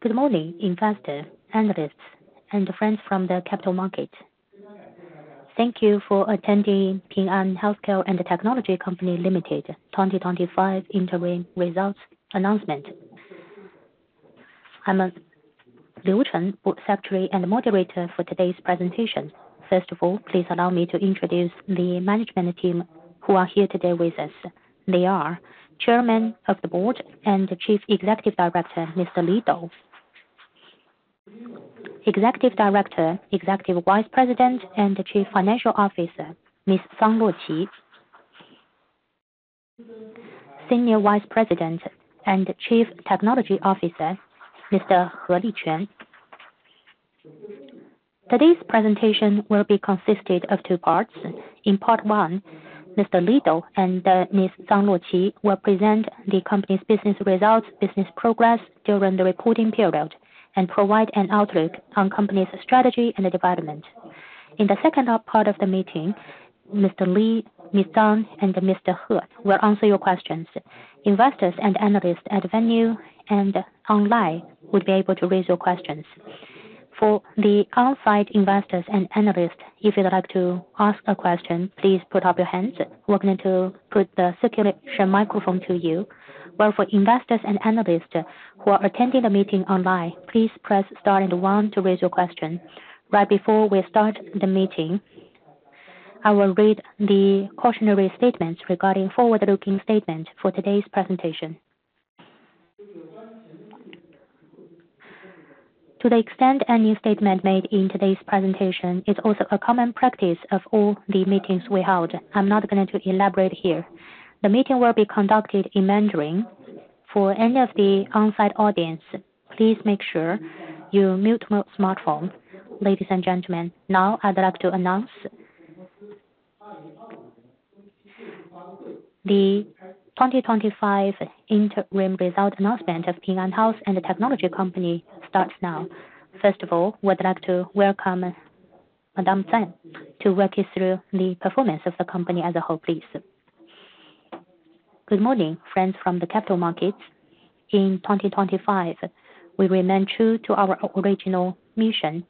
Good morning, investors, analysts, and friends from the capital markets. Thank you for attending Ping An Healthcare and Technology Company Limited 2025 interim results announcement. I'm Liu Chen, board secretary and moderator for today's presentation. First of all, please allow me to introduce the management team who are here today with us. They are Chairman of the Board and Chief Executive Officer, Mr. Li Dou. Executive Director, Executive Vice President, and Chief Financial Officer, Ms. Fang Ruoqi. Senior Vice President and Chief Technology Officer, Mr. He Lichuan. Today's presentation will be consisted of two parts. In part one, Mr. Li Dou and Ms. Fang Ruoqi will present the company's business results, business progress during the reporting period, and provide an outlook on the company's strategy and development. In the second part of the meeting, Mr. Li, Ms. Fang, and Mr. He will answer your questions. Investors and analysts at venue and online would be able to raise your questions. For the on-site investors and analysts, if you'd like to ask a question, please put up your hands. We're going to put the circulating microphone to you. Well, for investors and analysts who are attending the meeting online, please press star and one to raise your question. Right before we start the meeting, I will read the cautionary statements regarding forward-looking statements for today's presentation. To the extent any statement made in today's presentation is also a common practice of all the meetings we hold, I'm not going to elaborate here. The meeting will be conducted in Mandarin. For any of the on-site audience, please make sure you mute your smartphones. Ladies and gentlemen, now I'd like to announce the 2025 interim result announcement of Ping An Healthcare and Technology Company starts now. First of all, we'd like to welcome Ms. Fang to walk us through the performance of the company as a whole, please. Good morning, friends from the capital markets. In 2025, we remain true to our original mission.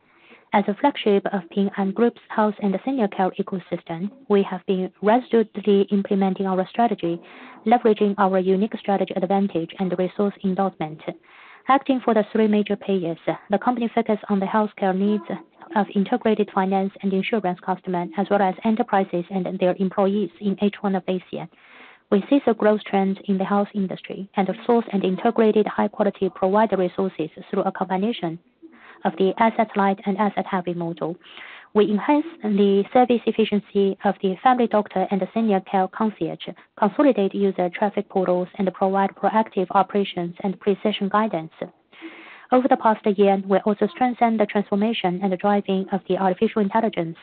As a flagship of Ping An Group's health and senior care ecosystem, we have been resolutely implementing our strategy, leveraging our unique strategy advantage and resource involvement. Acting for the three major payers, the company focuses on the healthcare needs of integrated finance and insurance customers, as well as enterprises and their employees in each one of Asia. We see the growth trends in the health industry and source and integrated high-quality provider resources through a combination of the asset light and asset heavy model. We enhance the service efficiency of the family doctor and the senior care concierge, consolidate user traffic portals, and provide proactive operations and precision guidance. Over the past year, we also strengthened the transformation and driving of the artificial intelligence,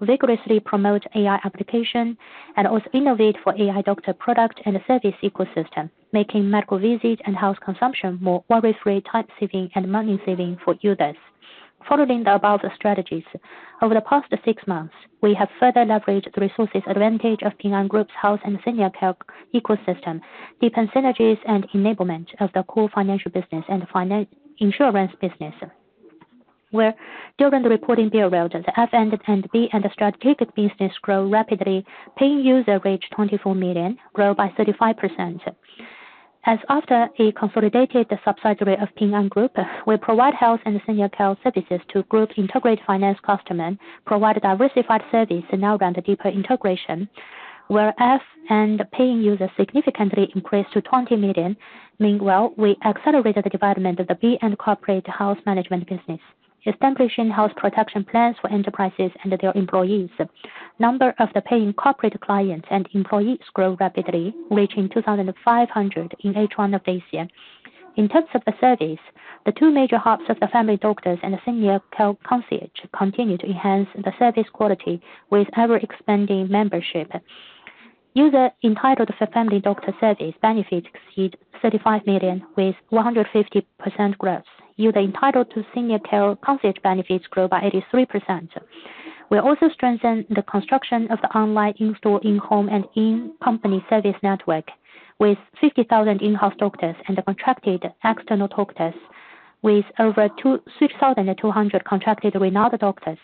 vigorously promote AI application, and also innovate for AI doctor product and service ecosystem, making medical visits and health consumption more worry-free, time-saving, and money-saving for users. Following the above strategies, over the past six months, we have further leveraged the resources advantage of Ping An Group's health and senior care ecosystem, deepen synergies and enablement of the core financial business and insurance business. During the reporting period, the F&B and strategic business grew rapidly, paying user reached 24 million, growing by 35%. As a consolidated subsidiary of Ping An Group, we provide health and senior care services to group integrated finance customers, provide diversified service, and now run deeper integration, where F&P users significantly increased to 20 million. Meanwhile, we accelerated the development of the B-end and corporate health management business, establishing health protection plans for enterprises and their employees. The number of paying corporate clients and employees grew rapidly, reaching 2,500 in each one of Asia. In terms of the service, the two major hubs of the Family Doctor and the Senior Care Concierge continue to enhance the service quality with ever-expanding membership. Users entitled to Family Doctor service benefits exceed 35 million with 150% growth. Users entitled to Senior Care Concierge benefits grew by 83%. We also strengthened the construction of the online, in-store, in-home, and in-company service network with 50,000 in-house doctors and over 3,200 contracted renowned external doctors.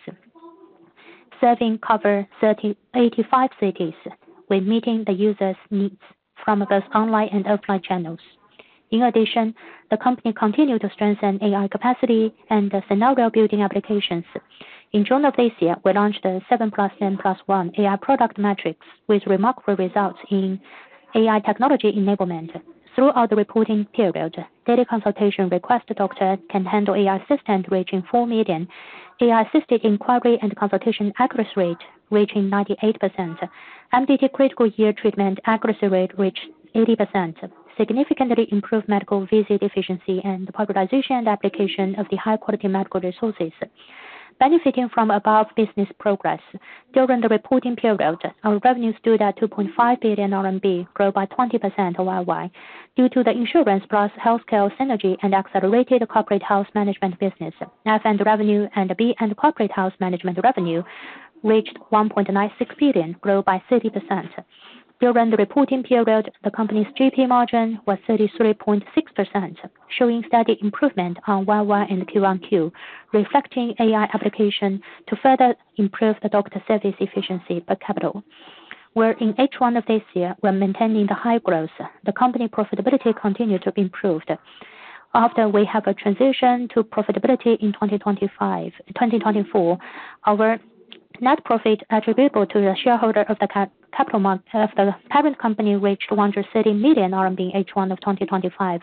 Services cover 85 cities, meeting the user's needs from both online and offline channels. In addition, the company continued to strengthen AI capacity and scenario-building applications. In June of this year, we launched the 7 plus 10 plus 1 AI product matrix with remarkable results in AI technology enablement. Throughout the reporting period, daily consultation requests doctors can handle with AI assistance reaching 4 million, AI-assisted inquiry and consultation accuracy rate reaching 98%, MDT critical illness treatment accuracy rate reached 80%, significantly improved medical visit efficiency and prioritization and application of the high-quality medical resources. Benefiting from above business progress, during the reporting period, our revenues grew to 2.5 billion RMB, up 20% year-over-year due to the insurance plus healthcare synergy and accelerated corporate health management business. F&D revenue and B-end corporate health management revenue reached 1.96 billion, up 30%. During the reporting period, the company's GP margin was 33.6%, showing steady improvement YoY and QoQ, reflecting AI application to further improve the doctor service efficiency per capita. In each of this year, we're maintaining the high growth, the company profitability continued to improve. After we have a transition to profitability in 2024, our net profit attributable to the shareholder of the parent company reached 130 million RMB in H1 of 2025.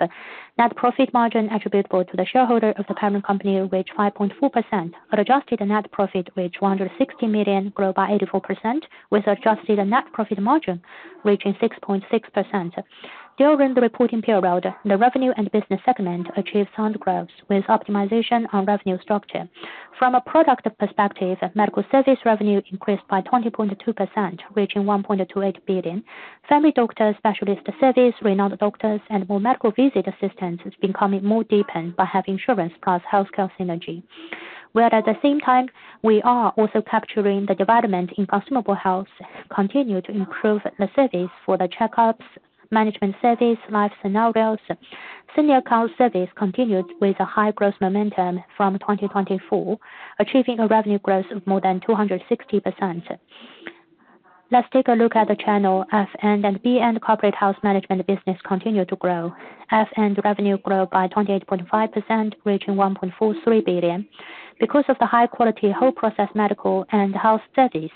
Net profit margin attributable to the shareholder of the parent company reached 5.4%. Adjusted net profit reached 160 million RMB, grow by 84%, with adjusted net profit margin reaching 6.6%. During the reporting period, the revenue and business segment achieved sound growth with optimization on revenue structure. From a product perspective, medical service revenue increased by 20.2%, reaching 1.28 billion RMB. Family Doctor specialist service, renowned doctors, and more medical visit assistants is becoming more deepened by having insurance plus healthcare synergy. While at the same time, we are also capturing the development in consumer health, continue to improve the service for the checkups, management service, life scenarios. Senior care service continued with a high growth momentum from 2024, achieving a revenue growth of more than 260%. Let's take a look at the channels F&D and B&D. Corporate health management business continue to grow. F&D revenue grew by 28.5%, reaching 1.43 billion. Because of the high-quality whole process medical and health service,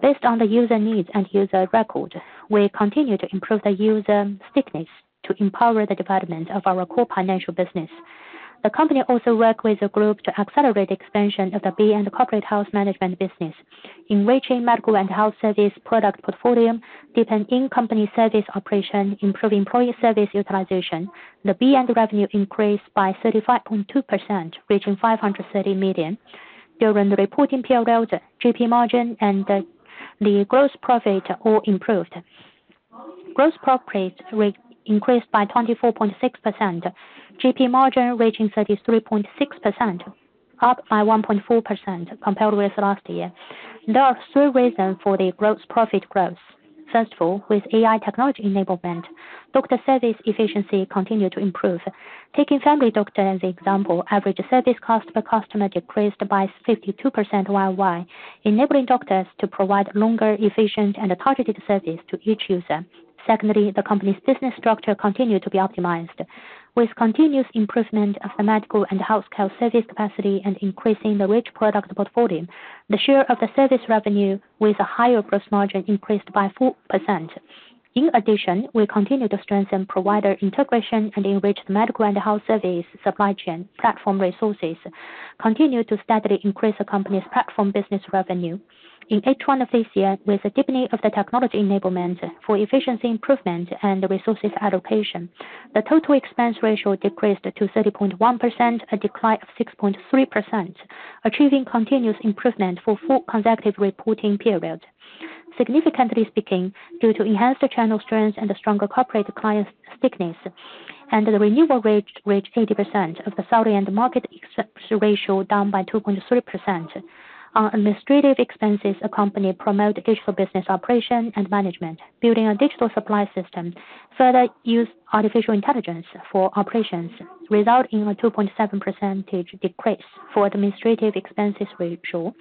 based on the user needs and user record, we continue to improve the user stickiness to empower the development of our core financial business. The company also works with the group to accelerate the expansion of the B&D corporate health management business, enriching medical and health service product portfolio, deepen in-company service operation, improving employee service utilization. The B&D revenue increased by 35.2%, reaching 530 million. During the reporting period, GP margin and the gross profit all improved. Gross profit increased by 24.6%, GP margin reaching 33.6%, up by 1.4% compared with last year. There are three reasons for the gross profit growth. First of all, with AI technology enablement, doctor service efficiency continued to improve. Taking Family Doctor as an example, average service cost per customer decreased by 52% worldwide, enabling doctors to provide longer, efficient, and targeted service to each user. Secondly, the company's business structure continued to be optimized. With continuous improvement of the medical and healthcare service capacity and increasing the rich product portfolio, the share of the service revenue with a higher gross margin increased by 4%. In addition, we continue to strengthen provider integration and enrich the medical and health service supply chain platform resources, continuing to steadily increase the company's platform business revenue. In H1 of this year, with the deepening of the technology enablement for efficiency improvement and resources allocation, the total expense ratio decreased to 30.1%, a decline of 6.3%, achieving continuous improvement for four consecutive reporting periods. Significantly speaking, due to enhanced channel strength and stronger corporate client stickiness, and the renewal rate reached 80%, and the sales and marketing ratio down by 2.3%. On administrative expenses, the company promotes digital business operation and management, building a digital supply system, further using artificial intelligence for operations, resulting in a 2.7% decrease for administrative expenses ratio.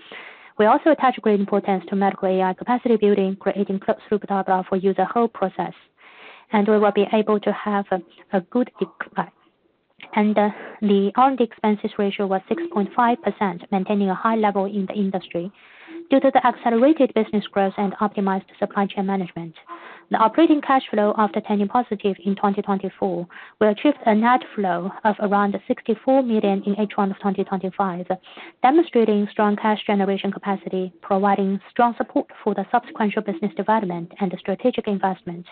We also attach great importance to medical AI capacity building, creating closed-loop throughput overall for the user's whole process, and we will be able to have a good decline, and the R&D expenses ratio was 6.5%, maintaining a high level in the industry due to the accelerated business growth and optimized supply chain management. The operating cash flow after turning positive in 2024, we achieved a net flow of around 64 million in H1 of 2025, demonstrating strong cash generation capacity, providing strong support for the subsequent business development and strategic investments.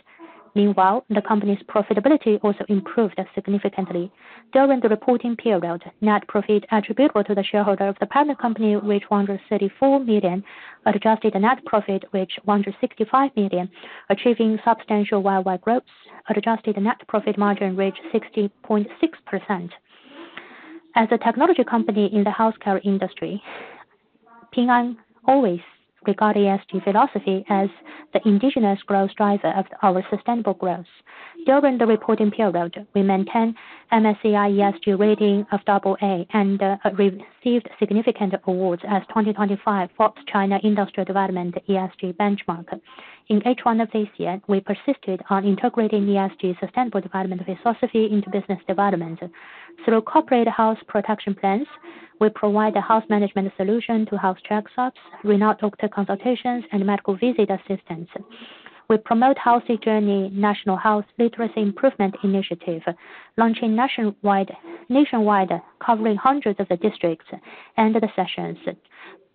Meanwhile, the company's profitability also improved significantly. During the reporting period, net profit attributable to the shareholder of the parent company reached 134 million, adjusted net profit reached 165 million, achieving substantial worldwide growth, adjusted net profit margin reached 60.6%. As a technology company in the healthcare industry, Ping An always regard ESG philosophy as the indigenous growth driver of our sustainable growth. During the reporting period, we maintained MSCI ESG rating of double A and received significant awards as 2025 Forbes China Industrial Development ESG benchmark. In H1 of this year, we persisted on integrating ESG sustainable development philosophy into business development. Through corporate health protection plans, we provide health management solutions to health check-ups, renowned doctor consultations, and medical visit assistants. We promote healthy journey, national health literacy improvement initiative, launching nationwide covering hundreds of districts and the sessions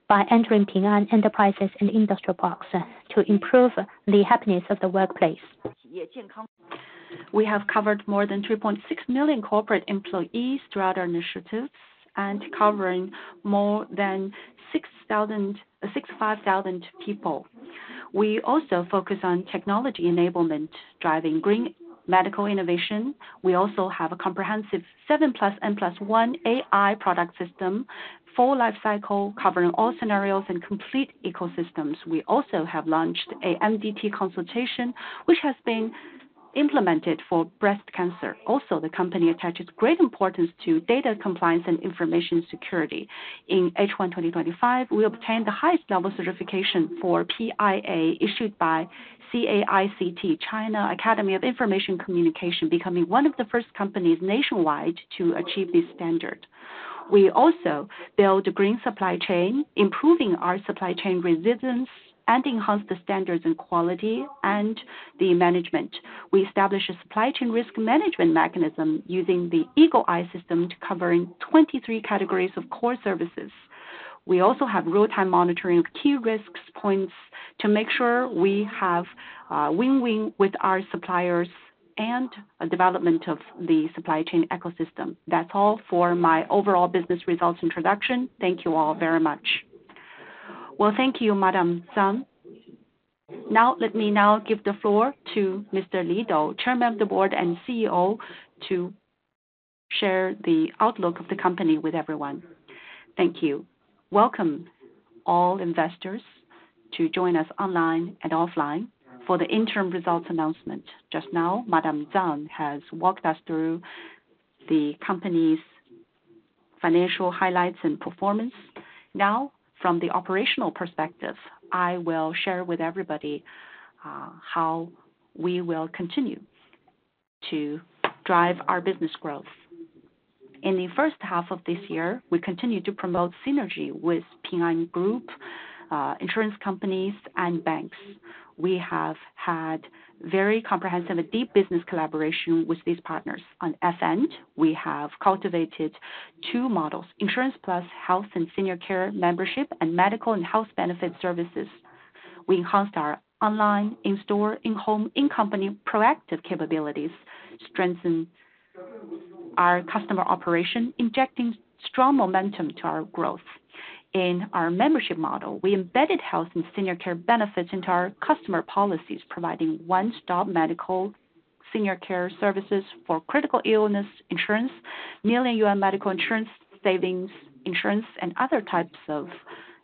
by entering Ping An enterprises and industrial parks to improve the happiness of the workplace. We have covered more than 3.6 million corporate employees throughout our initiatives and covering more than 6,000, 65,000 people. We also focus on technology enablement, driving green medical innovation. We also have a comprehensive 7 Plus N Plus 1 AI product system, full life cycle, covering all scenarios and complete ecosystems. We also have launched a MDT consultation, which has been implemented for breast cancer. Also, the company attaches great importance to data compliance and information security. In H1 2025, we obtained the highest level certification for PIA issued by CAICT, China Academy of Information and Communications Technology, becoming one of the first companies nationwide to achieve this standard. We also build a green supply chain, improving our supply chain resilience and enhanced the standards and quality and the management. We established a supply chain risk management mechanism using the Eagle Eye System to cover 23 categories of core services. We also have real-time monitoring of key risk points to make sure we have win-win with our suppliers and development of the supply chain ecosystem. That's all for my overall business results introduction. Thank you all very much. Well, thank you, Ms. Fang. Now, let me now give the floor to Mr. Li Dou, Chairman of the Board and CEO, to share the outlook of the company with everyone. Thank you. Welcome all investors to join us online and offline for the interim results announcement. Just now, Ms. Fang has walked us through the company's financial highlights and performance. Now, from the operational perspective, I will share with everybody how we will continue to drive our business growth. In the first half of this year, we continue to promote synergy with Ping An Group, insurance companies, and banks. We have had very comprehensive and deep business collaboration with these partners. On F&D, we have cultivated two models: insurance plus health and senior care membership and medical and health benefit services. We enhanced our online, in-store, in-home, in-company proactive capabilities, strengthened our customer operation, injecting strong momentum to our growth. In our membership model, we embedded health and senior care benefits into our customer policies, providing one-stop medical senior care services for critical illness insurance, million-yuan medical insurance savings insurance, and other types of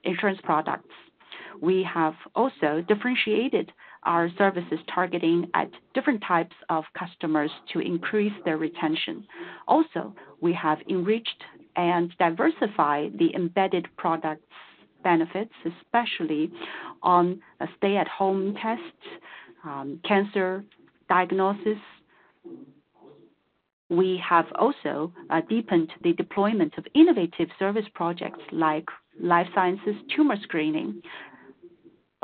insurance products. We have also differentiated our services targeting at different types of customers to increase their retention. Also, we have enriched and diversified the embedded product benefits, especially on stay-at-home tests, cancer diagnosis. We have also deepened the deployment of innovative service projects like life sciences tumor screening.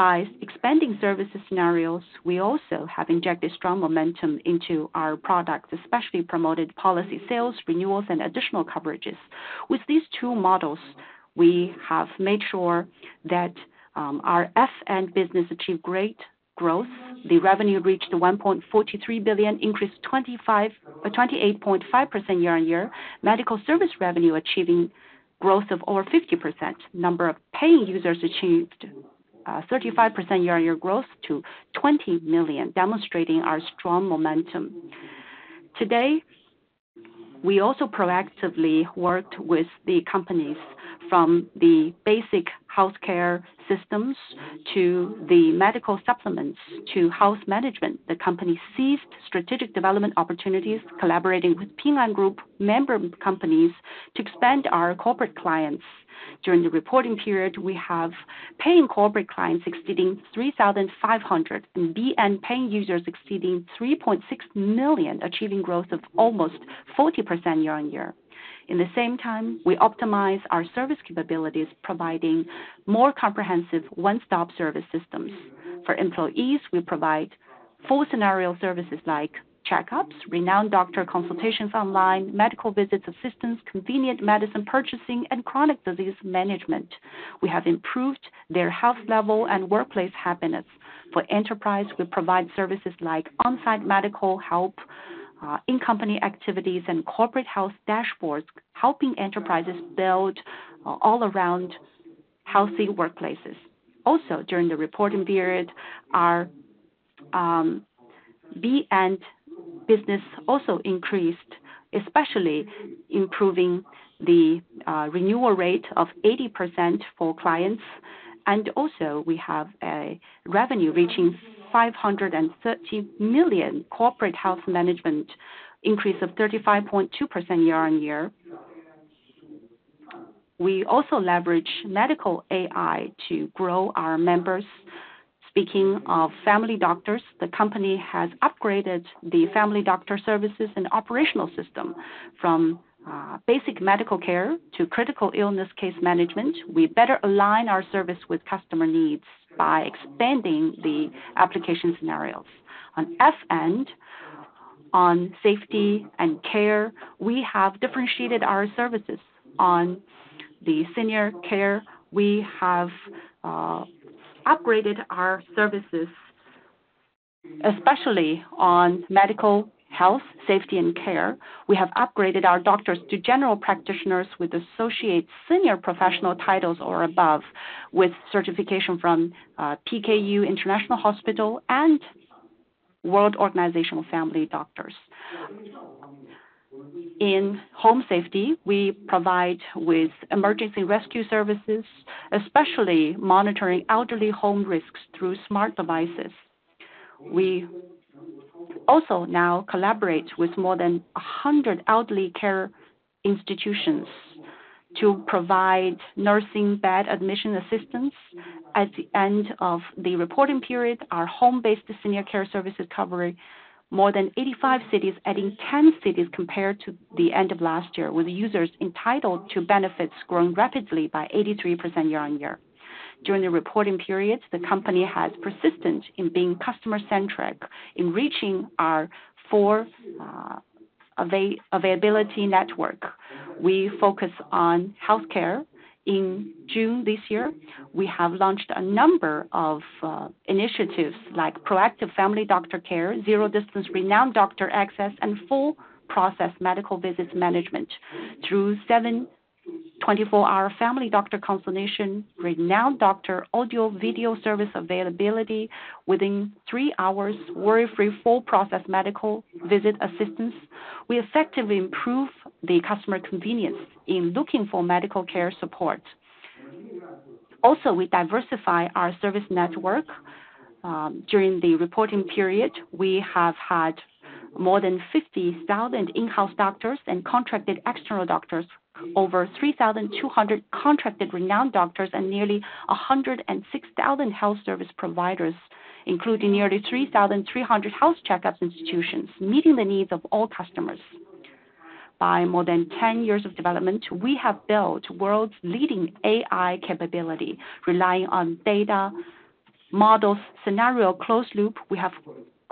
By expanding service scenarios, we also have injected strong momentum into our products, especially promoted policy sales, renewals, and additional coverages. With these two models, we have made sure that our F&D business achieved great growth. The revenue reached 1.43 billion, increased 28.5% year-on-year. Medical service revenue achieving growth of over 50%. Number of paying users achieved 35% year-on-year growth to 20 million, demonstrating our strong momentum. Today, we also proactively worked with the companies from the basic healthcare systems to the medical supplements to health management. The company seized strategic development opportunities, collaborating with Ping An Group member companies to expand our corporate clients. During the reporting period, we have paying corporate clients exceeding 3,500 and B&P paying users exceeding 3.6 million, achieving growth of almost 40% year-on-year. In the same time, we optimize our service capabilities, providing more comprehensive one-stop service systems. For employees, we provide full scenario services like checkups, renowned doctor consultations online, medical visits assistance, convenient medicine purchasing, and chronic disease management. We have improved their health level and workplace happiness. For enterprise, we provide services like on-site medical help, in-company activities, and corporate health dashboards, helping enterprises build all-around healthy workplaces. Also, during the reporting period, our B&P business also increased, especially improving the renewal rate of 80% for clients, and also we have a revenue reaching 530 million. Corporate health management increase of 35.2% year-on-year. We also leverage medical AI to grow our members. Speaking of family doctors, the company has upgraded the family doctor services and operational system from basic medical care to critical illness case management. We better align our service with customer needs by expanding the application scenarios. On F&D, on safety and care, we have differentiated our services. On the senior care, we have upgraded our services, especially on medical health, safety, and care. We have upgraded our doctors to general practitioners with associate senior professional titles or above, with certification from PKU International Hospital and World Organization of Family Doctors. In home safety, we provide with emergency rescue services, especially monitoring elderly home risks through smart devices. We also now collaborate with more than 100 elderly care institutions to provide nursing bed admission assistance. At the end of the reporting period, our home-based senior care services covered more than 85 cities, adding 10 cities compared to the end of last year, with users entitled to benefits growing rapidly by 83% year-on-year. During the reporting period, the company has persisted in being customer-centric, enriching our four availability network. We focus on healthcare in June this year. We have launched a number of initiatives like proactive family doctor care, zero distance renowned doctor access, and full process medical visits management through 7-24-hour family doctor consultation, renowned doctor audio-video service availability within three hours, worry-free full process medical visit assistance. We effectively improve the customer convenience in looking for medical care support. Also, we diversify our service network. During the reporting period, we have had more than 50,000 in-house doctors and contracted external doctors, over 3,200 contracted renowned doctors, and nearly 106,000 health service providers, including nearly 3,300 health checkup institutions, meeting the needs of all customers. By more than 10 years of development, we have built the world's leading AI capability, relying on data models, scenario closed loop. We have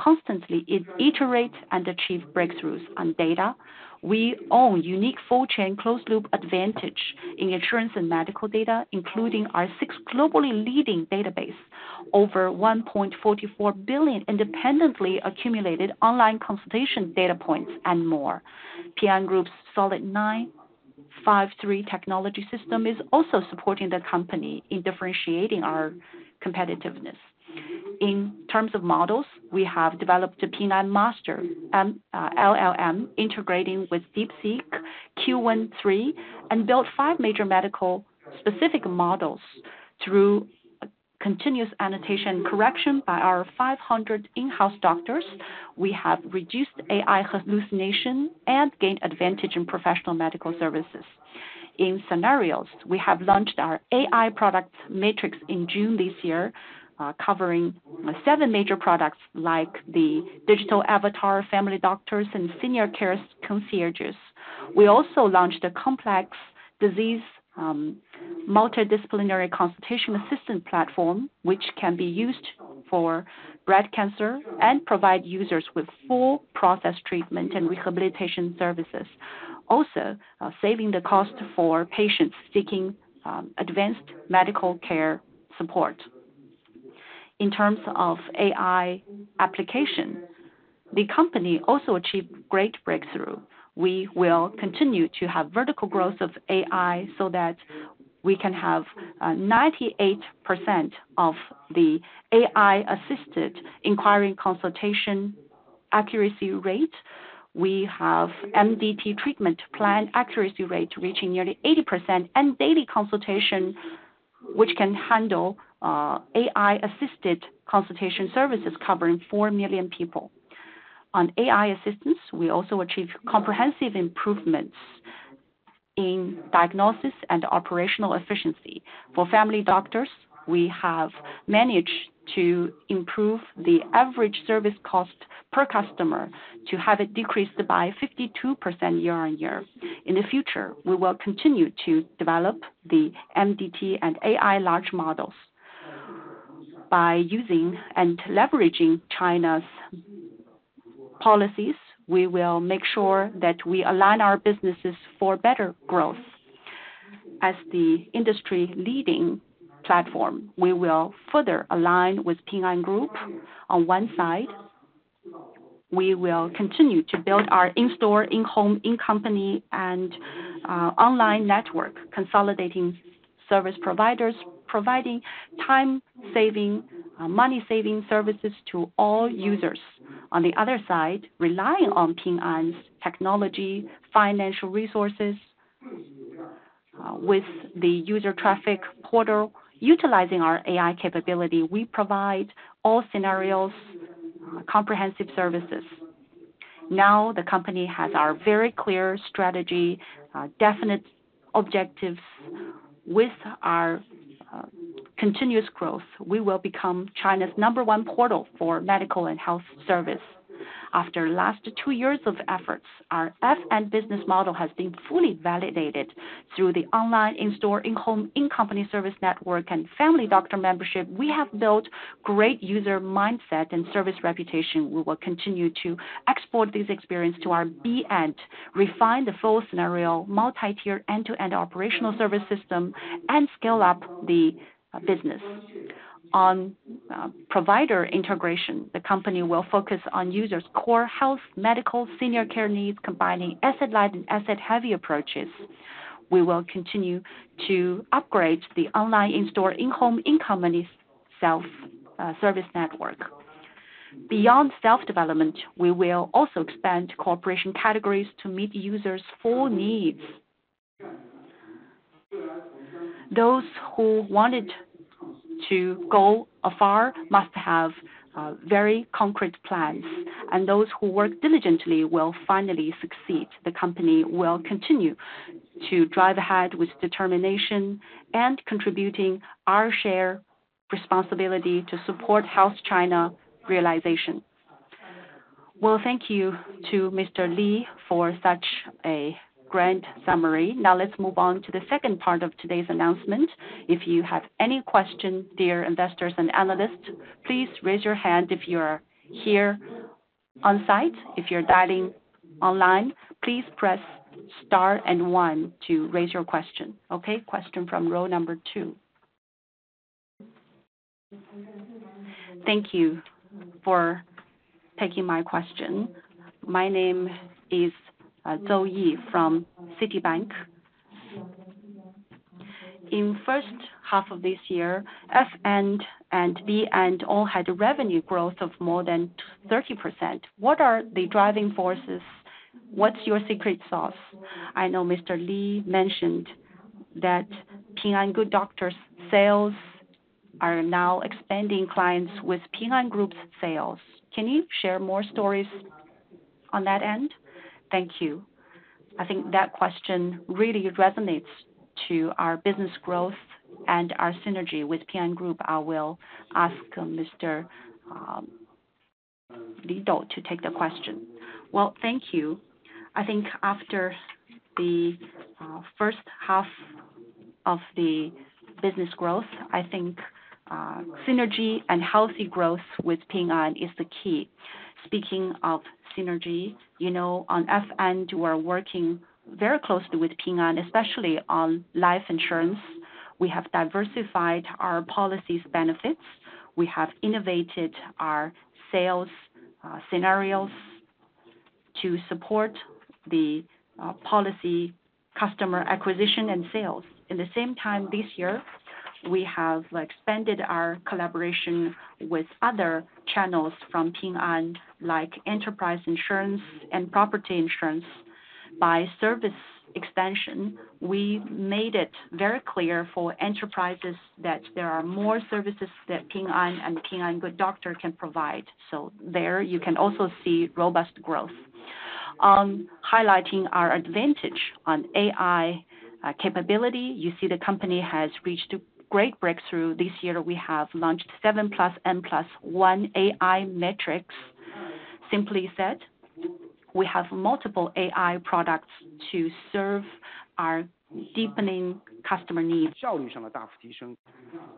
constantly iterated and achieved breakthroughs on data. We own unique full-chain closed loop advantage in insurance and medical data, including our six globally leading databases, over 1.44 billion independently accumulated online consultation data points and more. Ping An Group's solid 953 technology system is also supporting the company in differentiating our competitiveness. In terms of models, we have developed a Ping An Master LLM integrating with DeepSeek Q13 and built 5 major medical-specific models through continuous annotation and correction by our 500 in-house doctors. We have reduced AI hallucination and gained advantage in professional medical services. In scenarios, we have launched our AI product matrix in June this year, covering 7 major products like the digital avatar family doctors and senior care concierges. We also launched a complex disease multidisciplinary consultation assistant platform, which can be used for breast cancer and provide users with full process treatment and rehabilitation services, also saving the cost for patients seeking advanced medical care support. In terms of AI application, the company also achieved great breakthrough. We will continue to have vertical growth of AI so that we can have 98% of the AI-assisted inquiry and consultation accuracy rate. We have MDT treatment plan accuracy rate reaching nearly 80% and daily consultation, which can handle AI-assisted consultation services covering four million people. On AI assistance, we also achieved comprehensive improvements in diagnosis and operational efficiency. For family doctors, we have managed to improve the average service cost per customer to have it decreased by 52% year-on-year. In the future, we will continue to develop the MDT and AI large models. By using and leveraging China's policies, we will make sure that we align our businesses for better growth. As the industry-leading platform, we will further align with Ping An Group. On one side, we will continue to build our in-store, in-home, in-company and online network, consolidating service providers, providing time-saving, money-saving services to all users. On the other side, relying on Ping An's technology, financial resources, with the user traffic portal, utilizing our AI capability, we provide all scenarios comprehensive services. Now, the company has our very clear strategy, definite objectives. With our continuous growth, we will become China's number one portal for medical and health service. After the last two years of efforts, our F&D business model has been fully validated through the online in-store, in-home, in-company service network, and family doctor membership. We have built great user mindset and service reputation. We will continue to export this experience to our B-end and refine the full scenario, multi-tier end-to-end operational service system, and scale up the business. On provider integration, the company will focus on users' core health, medical, senior care needs, combining asset-light and asset-heavy approaches. We will continue to upgrade the online in-store, in-home, in-company self-service network. Beyond self-development, we will also expand cooperation categories to meet users' full needs. Those who wanted to go afar must have very concrete plans, and those who work diligently will finally succeed. The company will continue to drive ahead with determination and contributing our share responsibility to support Health China realization. Thank you to Mr. Li for such a grand summary. Now, let's move on to the second part of today's announcement. If you have any questions, dear investors and analysts, please raise your hand if you are here on site. If you're dialing online, please press star and one to raise your question. Okay, question from row number two. Thank you for taking my question. My name is Zhou Ye from Citibank. In the first half of this year, F&D and B&O had revenue growth of more than 30%. What are the driving forces? What's your secret sauce? I know Mr. Li mentioned that Ping An Good Doctor's sales are now expanding clients with Ping An Group's sales. Can you share more stories on that end? Thank you. I think that question really resonates to our business growth and our synergy with Ping An Group. I will ask Mr. Li Dou to take the question. Thank you. I think after the first half of the business growth, I think synergy and healthy growth with Ping An is the key. Speaking of synergy, on F&D, we're working very closely with Ping An, especially on life insurance. We have diversified our policy benefits. We have innovated our sales scenarios to support the policy customer acquisition and sales. In the same time, this year, we have expanded our collaboration with other channels from Ping An, like enterprise insurance and property insurance. By service expansion, we made it very clear for enterprises that there are more services that Ping An and Ping An Good Doctor can provide. So there, you can also see robust growth. Highlighting our advantage on AI capability, you see the company has reached great breakthrough. This year, we have launched 7 Plus N Plus 1 AI matrix. Simply said, we have multiple AI products to serve our deepening customer needs.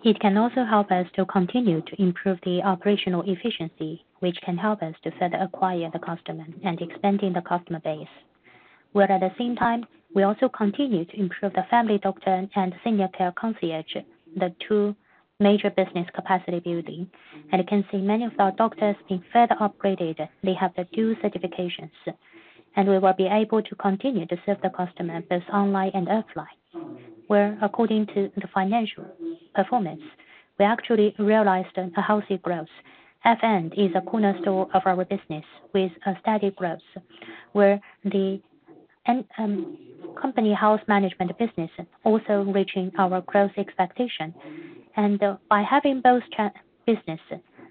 It can also help us to continue to improve the operational efficiency, which can help us to further acquire the customer and expand the customer base, well, at the same time, we also continue to improve the Family Doctor and Senior Care Concierge, the two major business capacity building, and you can see many of our doctors being further upgraded. They have the dual certifications, and we will be able to continue to serve the customer both online and offline. According to the financial performance, we actually realized a healthy growth. F&D is a cornerstone of our business with a steady growth, where the company's health management business also reaching our growth expectation. By having both business,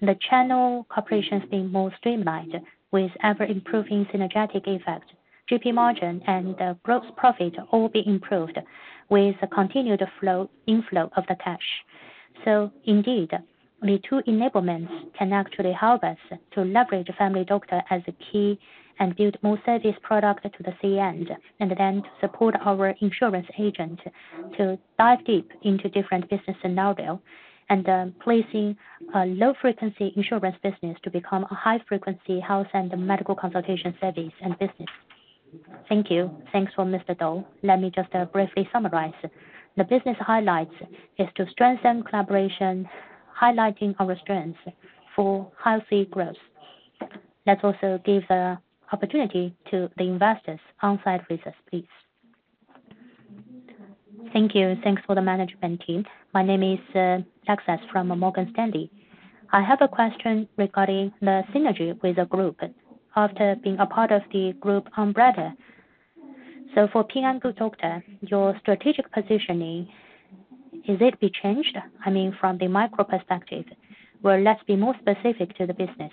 the channel cooperation has been more streamlined with ever-improving synergetic effect. GP margin and gross profit all be improved with continued inflow of the cash. Indeed, the two enablements can actually help us to leverage Family Doctor as a key and build more service product to the C-end, and then support our insurance agent to dive deep into different business scenario and placing a low-frequency insurance business to become a high-frequency health and medical consultation service and business. Thank you. Thanks for Mr. Dou. Let me just briefly summarize. The business highlights is to strengthen collaboration, highlighting our strengths for healthy growth. Let's also give the opportunity to the investors on-site visits, please. Thank you. Thanks for the management team. My name is Alex from Morgan Stanley. I have a question regarding the synergy with the group after being a part of the group onboard. So for Ping An Good Doctor, your strategic positioning, is it be changed? I mean, from the micro perspective, well, let's be more specific to the business.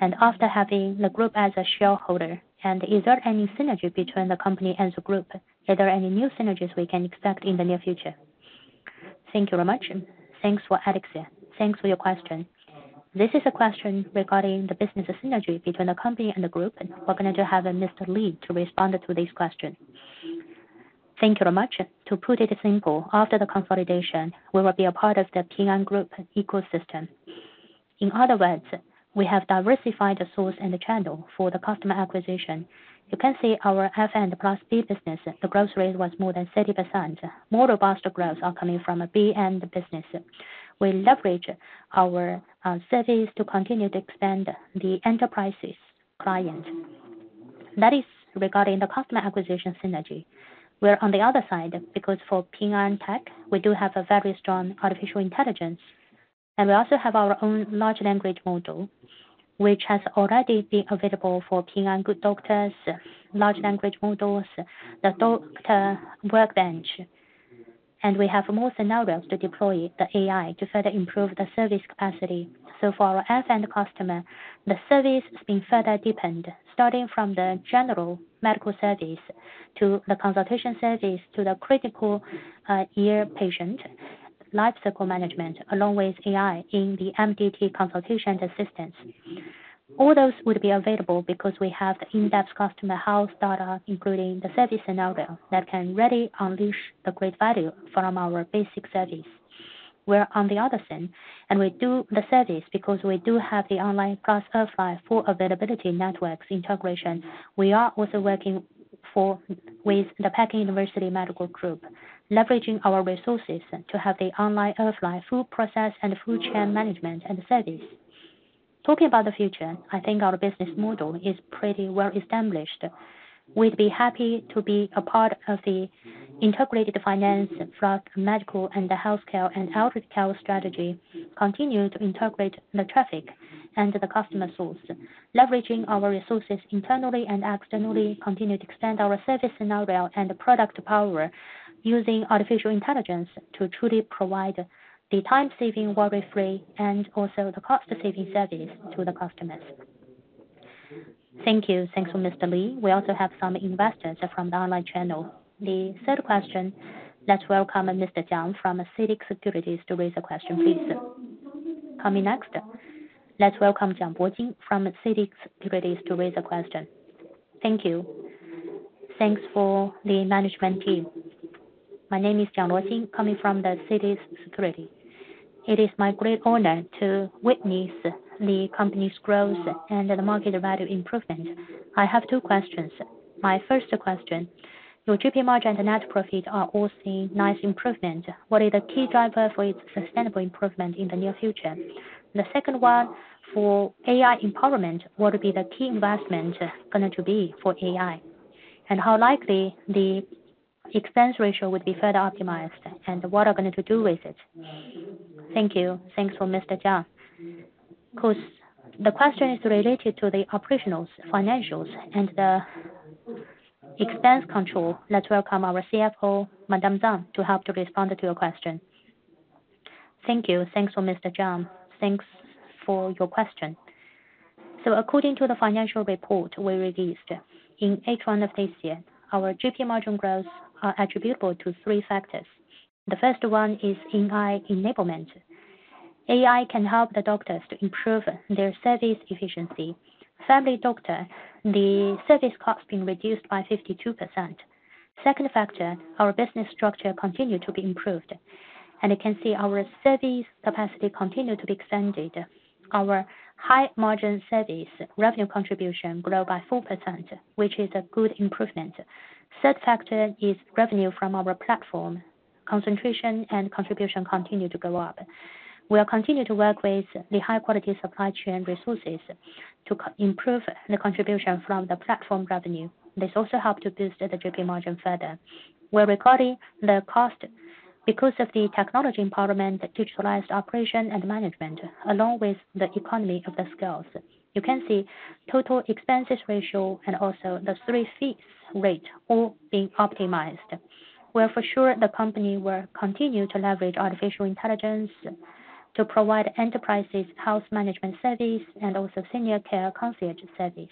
And after having the group as a shareholder, is there any synergy between the company and the group? Are there any new synergies we can expect in the near future? Thank you very much. Thanks for Alex. Thanks for your question. This is a question regarding the business synergy between the company and the group. We're going to have Mr. Li to respond to this question. Thank you very much. To put it simple, after the consolidation, we will be a part of the Ping An Group ecosystem. In other words, we have diversified the source and the channel for the customer acquisition. You can see our F&D plus B business, the growth rate was more than 30%. More robust growth are coming from a B&D business. We leverage our service to continue to expand the enterprise's client. That is regarding the customer acquisition synergy. On the other side, because for Ping An Tech, we do have a very strong artificial intelligence, and we also have our own large language model, which has already been available for Ping An Good Doctors, large language models, the doctor workbench. We have more scenarios to deploy the AI to further improve the service capacity. For our F&D customer, the service has been further deepened, starting from the general medical service to the consultation service to the critical care patient life cycle management, along with AI in the MDT consultation assistance. All those would be available because we have the in-depth customer health data, including the service scenario that can really unleash the great value from our basic service. On the other side, we do the service because we do have the online plus offline full availability networks integration. We are also working with the Peking University Medical Group, leveraging our resources to have the online offline full process and full chain management and service. Talking about the future, I think our business model is pretty well established. We'd be happy to be a part of the integrated finance for medical and healthcare and outreach health strategy, continue to integrate the traffic and the customer source, leveraging our resources internally and externally, continue to expand our service scenario and product power using artificial intelligence to truly provide the time-saving, worry-free, and also the cost-saving service to the customers. Thank you. Thanks for Mr. Lee. We also have some investors from the online channel. The third question, let's welcome Mr. Jiang from CITIC Securities to raise a question, please. Coming next, let's welcome Jiang Wujing from CITIC Securities to raise a question. Thank you. Thanks for the management team. My name is Jiang Wujing, coming from the CITIC Securities. It is my great honor to witness the company's growth and the market value improvement. I have two questions. My first question, your GP margin and net profit are also in nice improvement. What are the key drivers for its sustainable improvement in the near future? The second one, for AI empowerment, what would be the key investment going to be for AI? And how likely the expense ratio would be further optimized? And what are we going to do with it? Thank you. Thanks for Mr. Jiang. Because the question is related to the operations, financials, and the expense control, let's welcome our CFO, Ms. Fang, to help to respond to your question. Thank you. Thanks for Mr. Jiang. Thanks for your question. So according to the financial report we released in H1 of this year, our GP margin growths are attributable to three factors. The first one is AI enablement. AI can help the doctors to improve their service efficiency. Family Doctor, the service cost has been reduced by 52%. Second factor, our business structure continues to be improved, and you can see our service capacity continues to be extended. Our high margin service revenue contribution grew by 4%, which is a good improvement. Third factor is revenue from our platform. Concentration and contribution continue to go up. We'll continue to work with the high-quality supply chain resources to improve the contribution from the platform revenue. This also helps to boost the GP margin further. We're reducing the cost because of the technology empowerment, digitalized operation, and management, along with the economies of scale. You can see total expenses ratio and also the three fees rate all being optimized. For sure, the company will continue to leverage artificial intelligence to provide enterprises' health management service and also Senior Care Concierge service.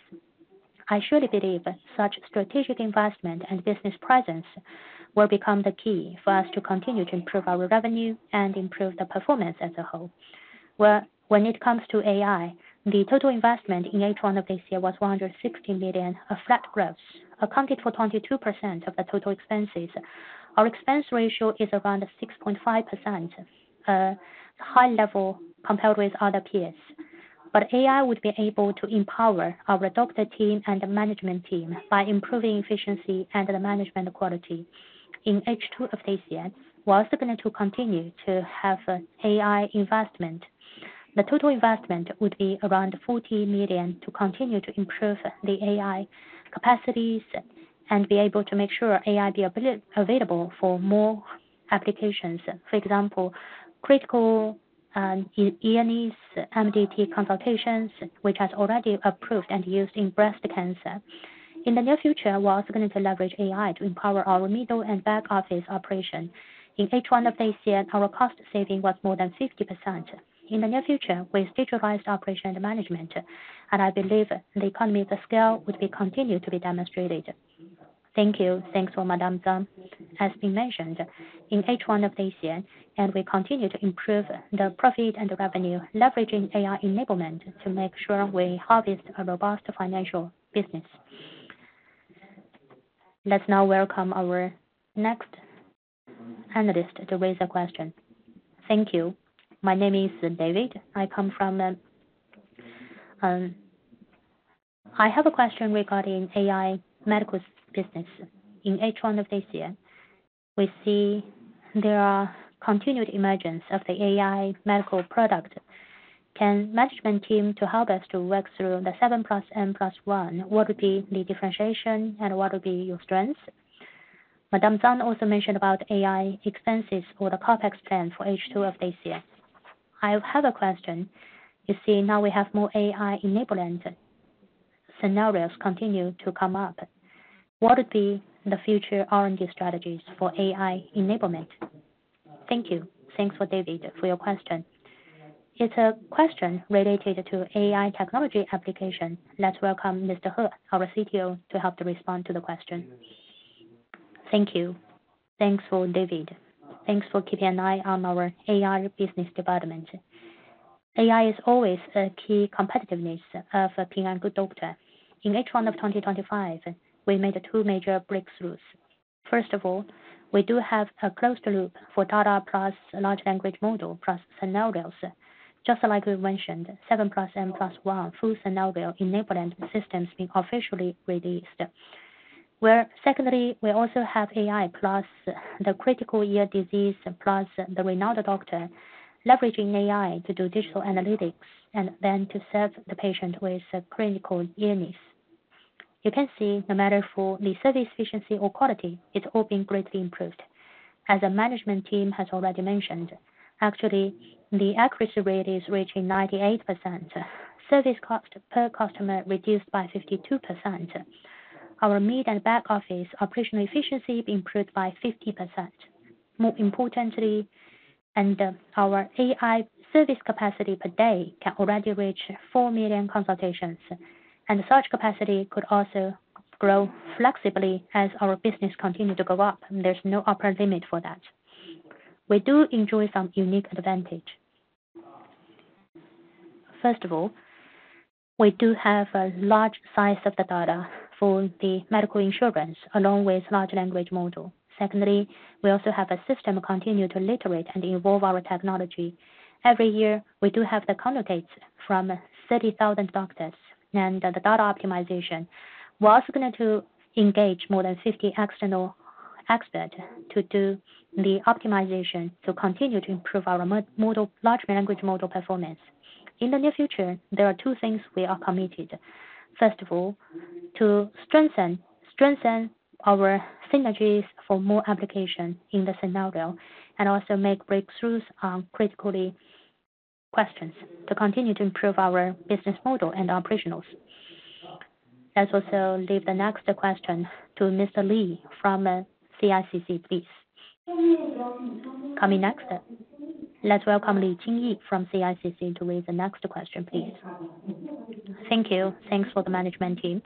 I surely believe such strategic investment and business presence will become the key for us to continue to improve our revenue and improve the performance as a whole. Well, when it comes to AI, the total investment in H1 of this year was 160 million of flat growth, accounted for 22% of the total expenses. Our expense ratio is around 6.5%, a high level compared with other peers. But AI would be able to empower our doctor team and the management team by improving efficiency and the management quality. In H2 of this year, we're also going to continue to have AI investment. The total investment would be around 40 million to continue to improve the AI capacities and be able to make sure AI be available for more applications. For example, critical ENEs, MDT consultations, which has already approved and used in breast cancer. In the near future, we're also going to leverage AI to empower our middle and back office operations. In H1 of this year, our cost savings was more than 50%. In the near future, with digitalized operations and management, and I believe the economies of scale would continue to be demonstrated. Thank you. Thanks, Ms. Fang. As has been mentioned, in H1 of this year, we continue to improve the profit and the revenue, leveraging AI enablement to make sure we harvest a robust financial business. Let's now welcome our next analyst to raise a question. Thank you. My name is David. I have a question regarding AI medical business. In H1 of this year, we see there is continued emergence of the AI medical product. Can the management team help us to work through the 7 Plus N Plus 1? What would be the differentiation, and what would be your strengths? Ms. Fang also mentioned about AI expenses or the CapEx plan for H2 of this year. I have a question. You see, now we have more AI enablement scenarios continue to come up. What would be the future R&D strategies for AI enablement? Thank you. Thanks for David for your question. It's a question related to AI technology application. Let's welcome Mr. He, our CTO, to help to respond to the question. Thank you. Thanks for David. Thanks for keeping an eye on our AI business development. AI is always a key competitiveness of Ping An Good Doctor. In H1 of 2025, we made two major breakthroughs. First of all, we do have a closed loop for data plus large language model plus scenarios. Just like we mentioned, 7 Plus N Plus 1 full scenario enablement systems being officially released. Well, secondly, we also have AI plus the critical illness plus the general doctor, leveraging AI to do digital analytics and then to serve the patient with clinical decisions. You can see no matter for the service efficiency or quality, it's all been greatly improved. As the management team has already mentioned, actually, the accuracy rate is reaching 98%. Service cost per customer reduced by 52%. Our mid and back office operational efficiency improved by 50%. More importantly, and our AI service capacity per day can already reach 4 million consultations. And such capacity could also grow flexibly as our business continues to go up. There's no upper limit for that. We do enjoy some unique advantage. First of all, we do have a large size of the data for the medical insurance along with large language model. Secondly, we also have a system continue to iterate and evolve our technology. Every year, we do have the consultations from 30,000 doctors and the data optimization. We're also going to engage more than 50 external experts to do the optimization to continue to improve our large language model performance. In the near future, there are two things we are committed. First of all, to strengthen our synergies for more application in the scenario and also make breakthroughs on critical questions to continue to improve our business model and operations. Let's also leave the next question to Mr. Li from CICC, please. Coming next, let's welcome Li Jingyi from CICC to raise the next question, please. Thank you. Thanks for the management team.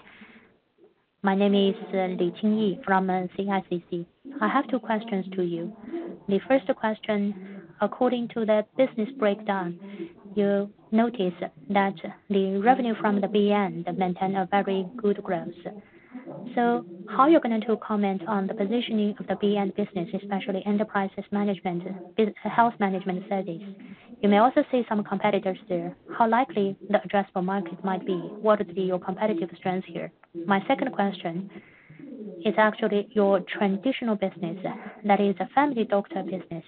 My name is Li Jingyi from CICC. I have two questions to you. The first question, according to the business breakdown, you notice that the revenue from the B&D maintained a very good growth. So how are you going to comment on the positioning of the B&D business, especially enterprise management, health management studies? You may also see some competitors there. How likely the addressable market might be? What would be your competitive strength here? My second question is actually your traditional business that is a family doctor business.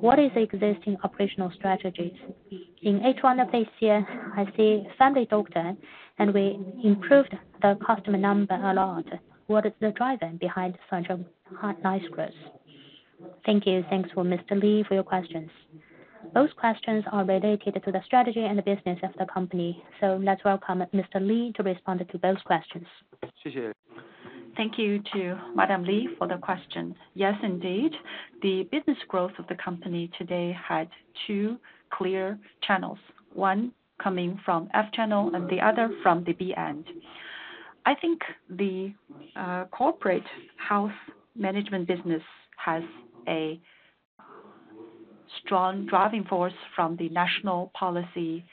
What is the existing operational strategies? In H1 of this year, I see family doctor, and we improved the customer number a lot. What is the driver behind such a nice growth? Thank you. Thanks for Mr. Li for your questions. Those questions are related to the strategy and the business of the company. So let's welcome Mr. Li to respond to those questions. Thank you to Madam Li for the question. Yes, indeed. The business growth of the company today had two clear channels, one coming from F-end and the other from the B-end. I think the corporate health management business has a strong driving force from the national policy,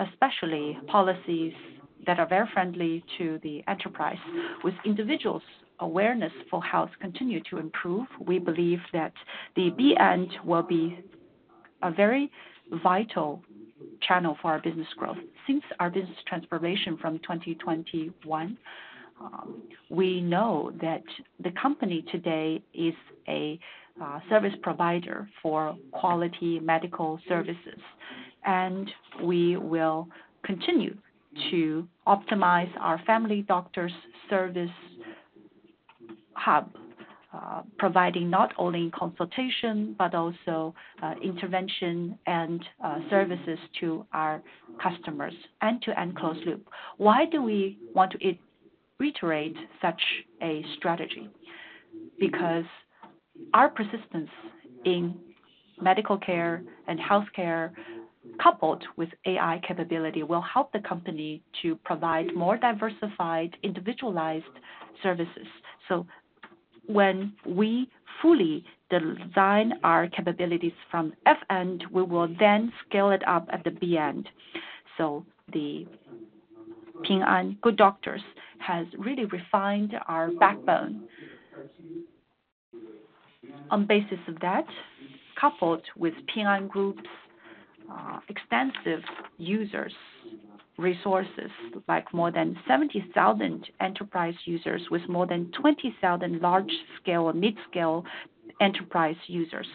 especially policies that are very friendly to the enterprise. With individuals' awareness for health continuing to improve, we believe that the B-end will be a very vital channel for our business growth. Since our business transformation from 2021, we know that the company today is a service provider for quality medical services. We will continue to optimize our family doctor's service hub, providing not only consultation but also intervention and services to our customers end-to-end close loop. Why do we want to reiterate such a strategy? Because our persistence in medical care and healthcare coupled with AI capability will help the company to provide more diversified, individualized services, so when we fully design our capabilities from F&D, we will then scale it up at the B&D, so the Ping An Good Doctor has really refined our backbone. On basis of that, coupled with Ping An Group's extensive user resources, like more than 70,000 enterprise users with more than 20,000 large-scale or mid-scale enterprise users,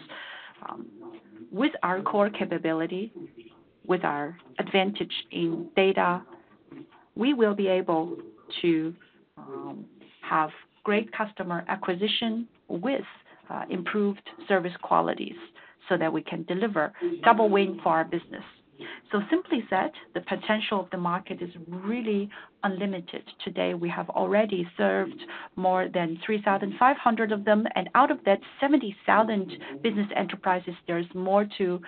with our core capability, with our advantage in data, we will be able to have great customer acquisition with improved service qualities so that we can deliver double win for our business, so simply said, the potential of the market is really unlimited. Today, we have already served more than 3,500 of them, and out of that 70,000 business enterprises, there's more to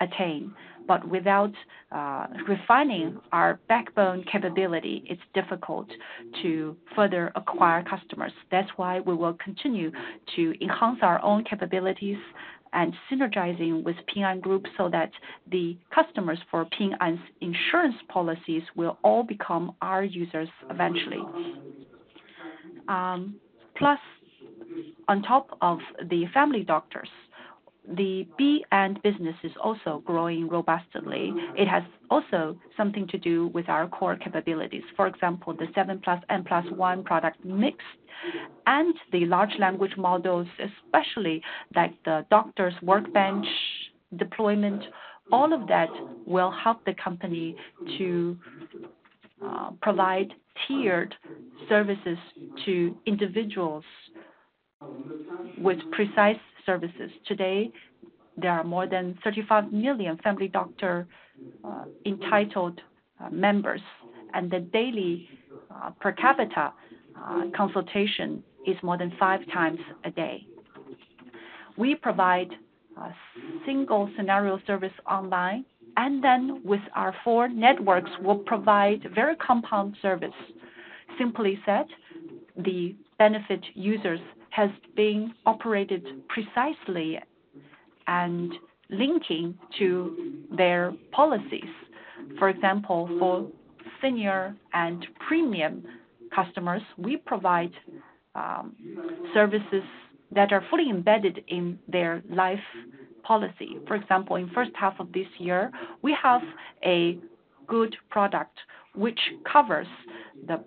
attain. But without refining our backbone capability, it's difficult to further acquire customers. That's why we will continue to enhance our own capabilities and synergize with Ping An Group so that the customers for Ping An's insurance policies will all become our users eventually. Plus, on top of the family doctors, the B&D business is also growing robustly. It has also something to do with our core capabilities. For example, the 7 plus N plus 1 product mix and the large language models, especially like the doctor's workbench deployment, all of that will help the company to provide tiered services to individuals with precise services. Today, there are more than 35 million family doctor entitled members, and the daily per capita consultation is more than five times a day. We provide single scenario service online, and then with our four networks, we'll provide very compound service. Simply said, the benefit users has been operated precisely and linking to their policies. For example, for senior and premium customers, we provide services that are fully embedded in their life policy. For example, in the first half of this year, we have a good product which covers the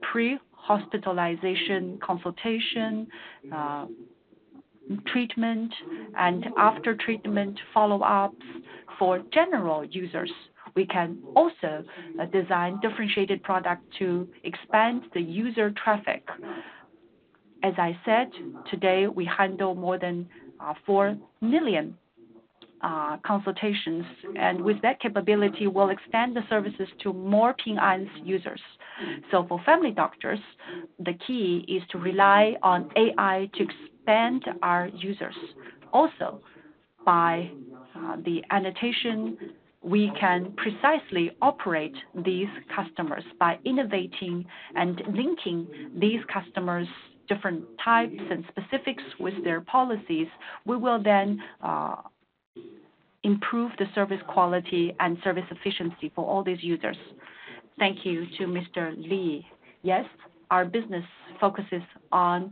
pre-hospitalization consultation, treatment, and after-treatment follow-ups for general users. We can also design differentiated products to expand the user traffic. As I said, today, we handle more than 4 million consultations, and with that capability, we'll expand the services to more Ping An's users. For family doctors, the key is to rely on AI to expand our users. Also, by the annotation, we can precisely operate these customers by innovating and linking these customers' different types and specifics with their policies. We will then improve the service quality and service efficiency for all these users. Thank you to Mr. Li. Yes, our business focuses on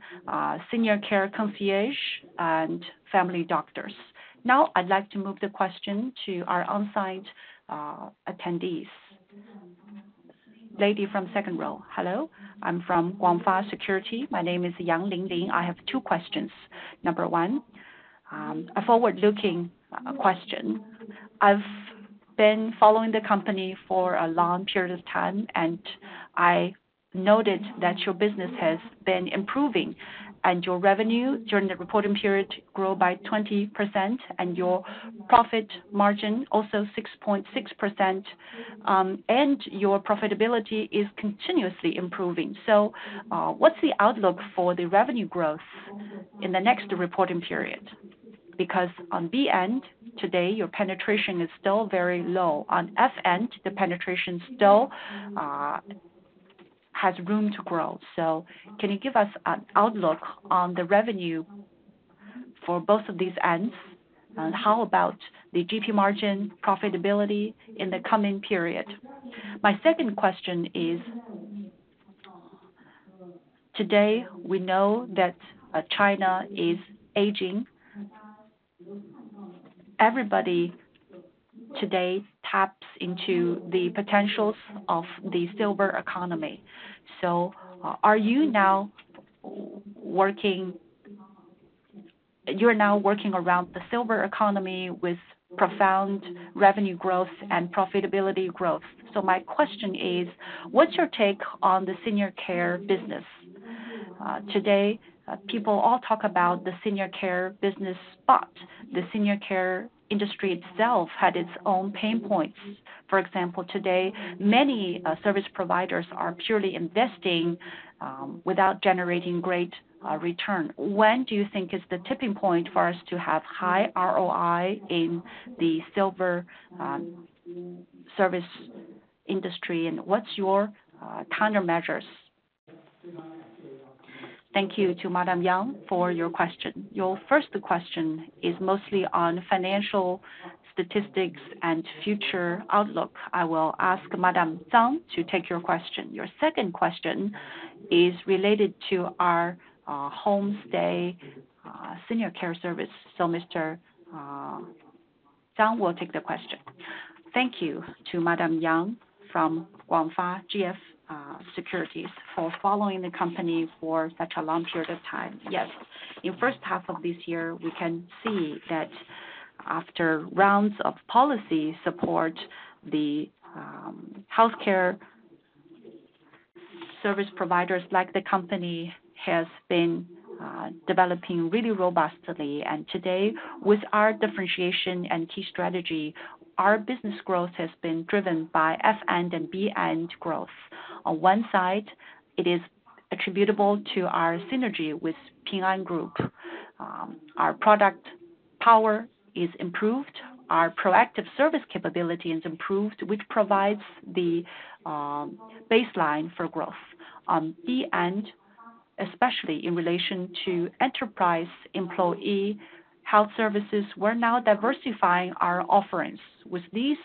senior care concierge and family doctors. Now, I'd like to move the question to our on-site attendees. Lady from second row. Hello. I'm from Guangfa Securities. My name is Yang Linglin. I have two questions. Number one, a forward-looking question. I've been following the company for a long period of time, and I noted that your business has been improving, and your revenue during the reporting period grew by 20%, and your profit margin also 6.6%, and your profitability is continuously improving. So what's the outlook for the revenue growth in the next reporting period? Because on B&D today, your penetration is still very low. On F&D, the penetration still has room to grow. So can you give us an outlook on the revenue for both of these ends? And how about the GP margin profitability in the coming period? My second question is, today, we know that China is aging. Everybody today taps into the potentials of the silver economy. So are you now working? You are now working around the silver economy with profound revenue growth and profitability growth. So my question is, what's your take on the senior care business? Today, people all talk about the senior care business, but the senior care industry itself had its own pain points. For example, today, many service providers are purely investing without generating great return. When do you think is the tipping point for us to have high ROI in the silver service industry, and what's your countermeasures? Thank you to Madam Yang for your question. Your first question is mostly on financial statistics and future outlook. I will ask Ms. Fang to take your question. Your second question is related to our homestay senior care service. So Mr. Fang will take the question. Thank you to Madam Yang from GF Securities for following the company for such a long period of time. Yes, in the first half of this year, we can see that after rounds of policy support, the healthcare service providers like the company have been developing really robustly. And today, with our differentiation and key strategy, our business growth has been driven by F&D and B&D growth. On one side, it is attributable to our synergy with Ping An Group. Our product power is improved. Our proactive service capability is improved, which provides the baseline for growth. On B&D, especially in relation to enterprise employee health services, we're now diversifying our offerings. With these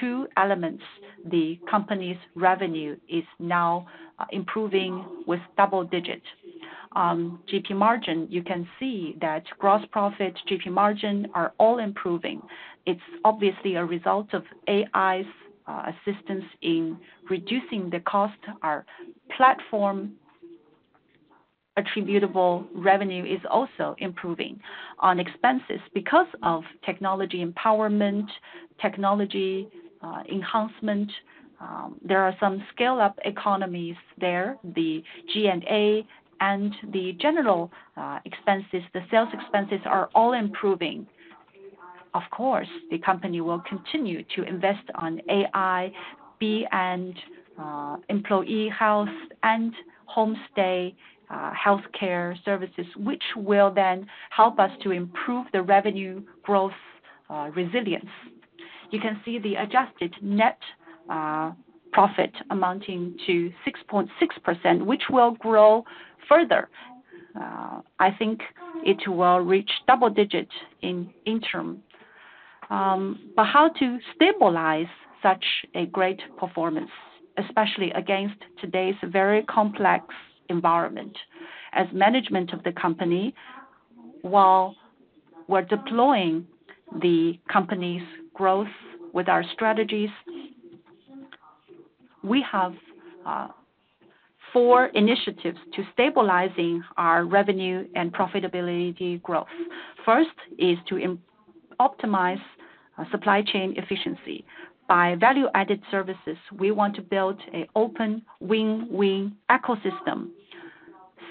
two elements, the company's revenue is now improving with double digit GP margin. You can see that gross profit GP margin are all improving. It's obviously a result of AI's assistance in reducing the cost. Our platform attributable revenue is also improving. On expenses, because of technology empowerment, technology enhancement, there are some scale-up economies there. The G&A and the general expenses, the sales expenses are all improving. Of course, the company will continue to invest on AI, B-end employee health, and homestay healthcare services, which will then help us to improve the revenue growth resilience. You can see the adjusted net profit amounting to 6.6%, which will grow further. I think it will reach double digit in interim. But how to stabilize such a great performance, especially against today's very complex environment? As management of the company, while we're deploying the company's growth with our strategies, we have four initiatives to stabilize our revenue and profitability growth. First is to optimize supply chain efficiency. By value-added services, we want to build an open win-win ecosystem.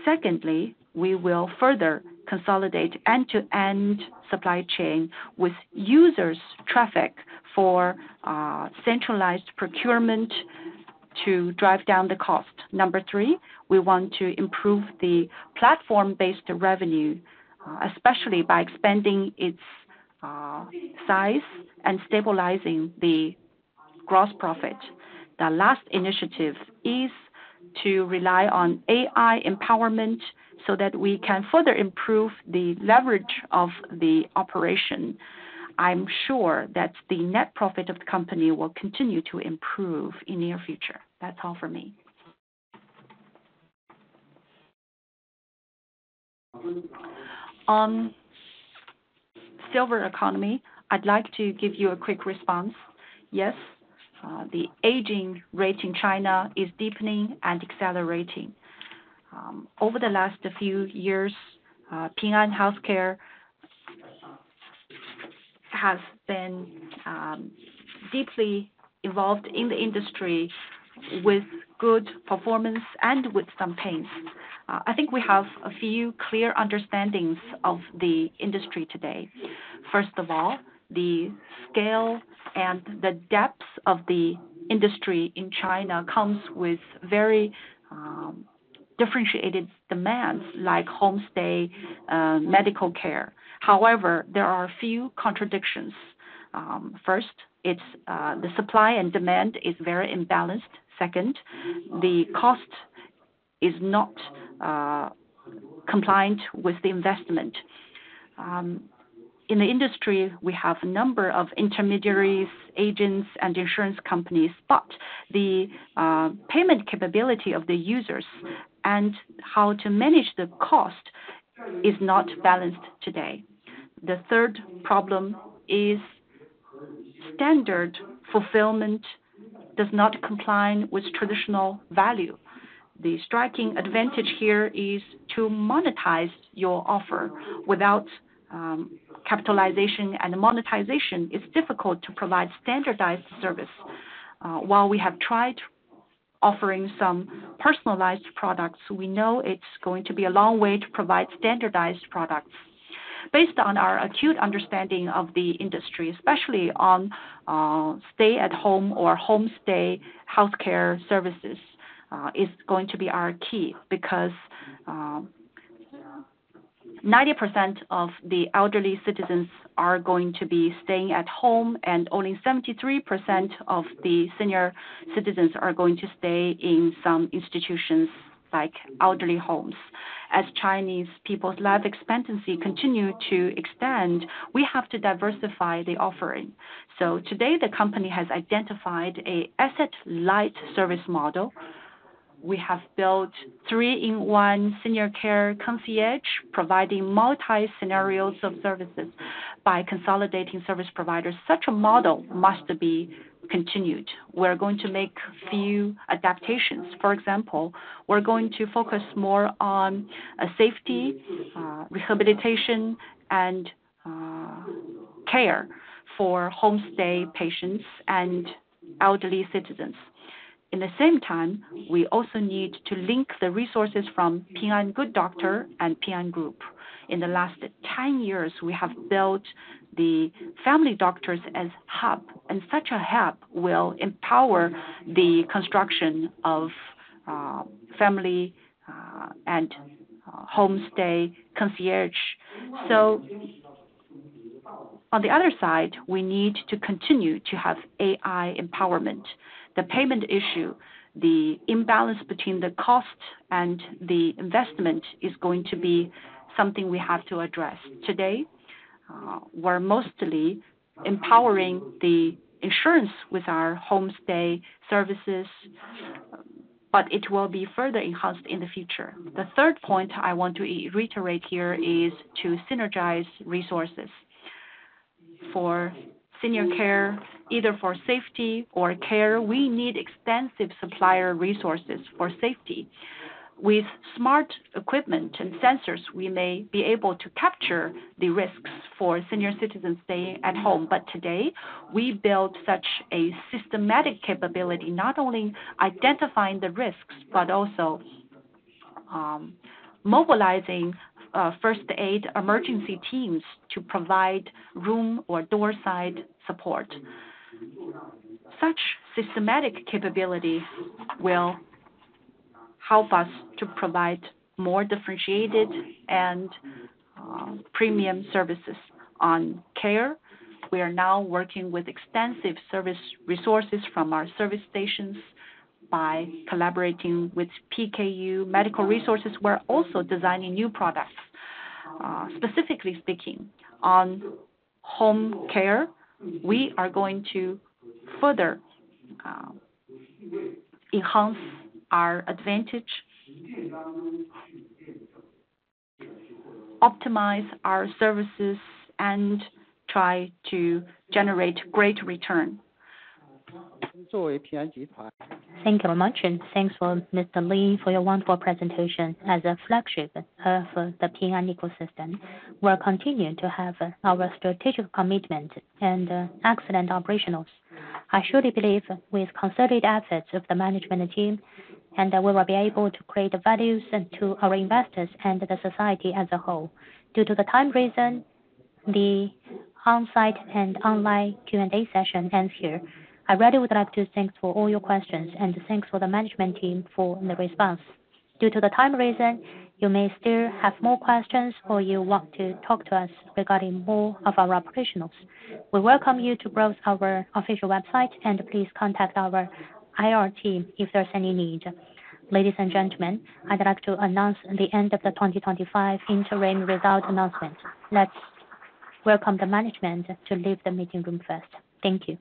Secondly, we will further consolidate end-to-end supply chain with users' traffic for centralized procurement to drive down the cost. Number three, we want to improve the platform-based revenue, especially by expanding its size and stabilizing the gross profit. The last initiative is to rely on AI empowerment so that we can further improve the leverage of the operation. I'm sure that the net profit of the company will continue to improve in the near future. That's all for me. On Silver Economy, I'd like to give you a quick response. Yes, the aging rate in China is deepening and accelerating. Over the last few years, Ping An Healthcare has been deeply involved in the industry with good performance and with some pains. I think we have a few clear understandings of the industry today. First of all, the scale and the depth of the industry in China comes with very differentiated demands like homestay medical care. However, there are a few contradictions. First, the supply and demand is very imbalanced. Second, the cost is not compliant with the investment. In the industry, we have a number of intermediaries, agents, and insurance companies, but the payment capability of the users and how to manage the cost is not balanced today. The third problem is standard fulfillment does not comply with traditional value. The striking advantage here is to monetize your offer. Without capitalization and monetization, it's difficult to provide standardized service. While we have tried offering some personalized products, we know it's going to be a long way to provide standardized products. Based on our acute understanding of the industry, especially on stay-at-home or homestay healthcare services, it's going to be our key because 90% of the elderly citizens are going to be staying at home, and only 73% of the senior citizens are going to stay in some institutions like elderly homes. As Chinese people's life expectancy continues to extend, we have to diversify the offering, so today the company has identified an asset-light service model. We have built three-in-one Senior Care Concierge, providing multi-scenarios of services by consolidating service providers. Such a model must be continued. We're going to make a few adaptations. For example, we're going to focus more on safety, rehabilitation, and care for homestay patients and elderly citizens. In the same time, we also need to link the resources from Ping An Good Doctor and Ping An Group. In the last 10 years, we have built the family doctors as hub, and such a hub will empower the construction of family and homestay concierge, so on the other side, we need to continue to have AI empowerment. The payment issue, the imbalance between the cost and the investment is going to be something we have to address. Today, we're mostly empowering the insurance with our homestay services, but it will be further enhanced in the future. The third point I want to reiterate here is to synergize resources for senior care, either for safety or care. We need extensive supplier resources for safety. With smart equipment and sensors, we may be able to capture the risks for senior citizens staying at home, but today, we built such a systematic capability, not only identifying the risks but also mobilizing first-aid emergency teams to provide room or door-side support. Such systematic capability will help us to provide more differentiated and premium services on care. We are now working with extensive service resources from our service stations by collaborating with PKU medical resources. We're also designing new products. Specifically speaking, on home care, we are going to further enhance our advantage, optimize our services, and try to generate great return. Thank you very much, and thanks for Mr. Li for your wonderful presentation. As a flagship of the Ping An ecosystem, we'll continue to have our strategic commitment and excellent operations. I surely believe with concerted efforts of the management team, we will be able to create value to our investors and the society as a whole. Due to the time reason, the on-site and online Q&A session ends here. I really would like to thank for all your questions, and thanks for the management team for the response. Due to the time reason, you may still have more questions, or you want to talk to us regarding more of our operations. We welcome you to browse our official website, and please contact our IR team if there's any need. Ladies and gentlemen, I'd like to announce the end of the 2025 interim results announcement. Let's welcome the management to leave the meeting room first. Thank you.